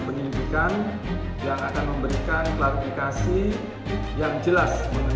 penyidikan yang akan memberikan klarifikasi yang jelas mengenai